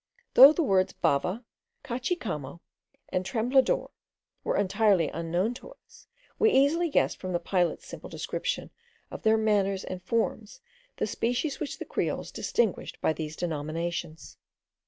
Though the words bava, cachicamo, and temblador, were entirely unknown to us, we easily guessed, from the pilot's simple description of their manners and forms, the species which the creoles distinguished by these denominations.